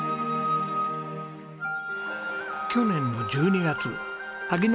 去年の１２月萩野